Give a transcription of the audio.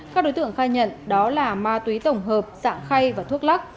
các đối tượng khai nhận đó là ma túy tổng hợp dạng khay và thuốc lắc